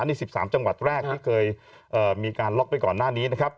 นี่๑๓จังหวัดแรกที่เคยมีการล็อกไปก่อนหน้านี้นะครับ